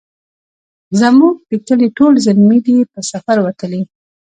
زموږ د کلې ټول زلمي دی په سفر وتلي